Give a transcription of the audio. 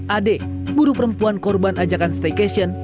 ade buruh perempuan korban ajakan staycation